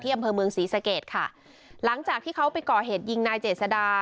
อำเภอเมืองศรีสะเกดค่ะหลังจากที่เขาไปก่อเหตุยิงนายเจษดา